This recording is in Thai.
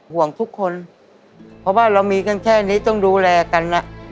ห่วงทุกคนเพราะว่าเรามีกันแค่นี้ต้องดูแลกัน